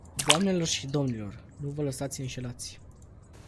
Doamnelor și domnilor, nu vă lăsați înșelați.